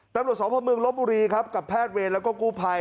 ตำรวจสพเมืองลบบุรีครับกับแพทย์เวรแล้วก็กู้ภัย